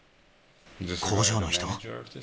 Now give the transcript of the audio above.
工場の人？